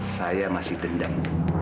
saya masih dendam